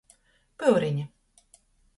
Pyurine.